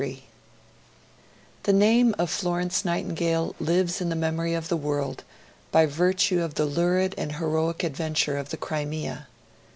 III THE name of Florence Nightingale lives in the memory of the world by virtue of the lurid and heroic adventure of the Crimea.